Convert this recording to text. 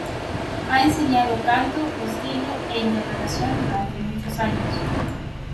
Ha enseñado canto, estilo e interpretación durante muchos años.